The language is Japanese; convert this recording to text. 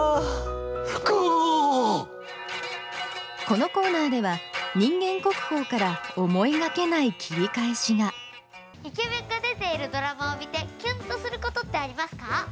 このコーナーでは人間国宝から思いがけない切り返しがイケメンが出ているドラマを見てキュンとすることってありますか？